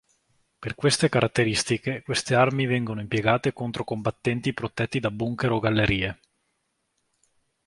Per queste caratteristiche queste armi vengono impiegate contro combattenti protetti da bunker o gallerie.